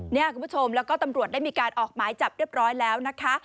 เนี่ยคุณผู้ชมแล้วก็ตำรวจได้มีการออกหมายจับเรียบร้อยแล้วนะคะ